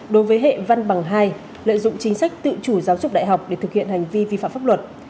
đối với hệ văn bằng hai lợi dụng chính sách tự chủ giáo dục đại học để thực hiện hành vi vi phạm pháp luật